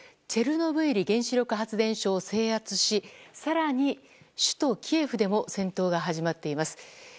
チェルノブイリ原子力発電所を制圧し、更に首都キエフでも戦闘が始まっています。